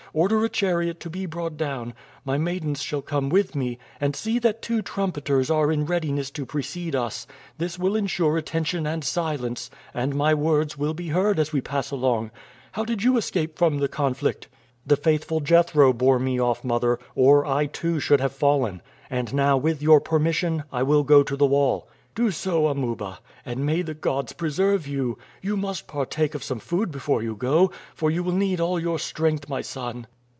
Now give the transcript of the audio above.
Order a chariot to be brought down. My maidens shall come with me; and see that two trumpeters are in readiness to precede us. This will insure attention and silence, and my words will be heard as we pass along. How did you escape from the conflict?" "The faithful Jethro bore me off, mother, or I, too, should have fallen; and now, with your permission, I will go to the wall." "Do so, Amuba, and may the gods preserve you. You must partake of some food before you go, for you will need all your strength, my son."